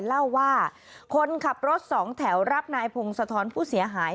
เล่าว่าคนขับรถสองแถวรับนายพงศธรผู้เสียหาย